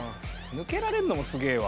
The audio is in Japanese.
抜けられんのもすげえわ。